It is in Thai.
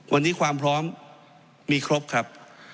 วันนี้ความพร้อมมีครบครับ